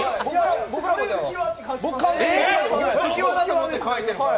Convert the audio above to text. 僕、「うきわ」だと思って書いてるから。